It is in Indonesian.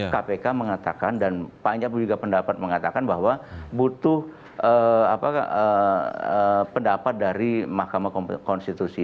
kpk mengatakan dan banyak juga pendapat mengatakan bahwa butuh pendapat dari mahkamah konstitusi